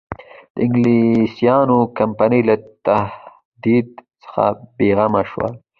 د انګلیسیانو کمپنۍ له تهدید څخه بېغمه شول.